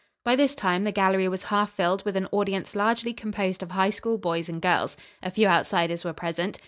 By this time the gallery was half filled with an audience largely composed of High School boys and girls. A few outsiders were present.